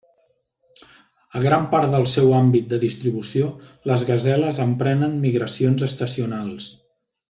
A gran part del seu àmbit de distribució, les gaseles emprenen migracions estacionals.